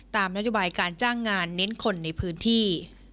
ตามนโยบายการจ้างงานเน้นคนในพื้นที่